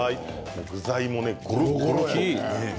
具材もゴロゴロ。